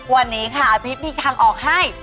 วันนี้ค่ะอภิษมีทางออกให้